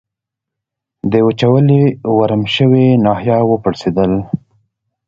د وچولې ورم شوې ناحیه و پړسېدل.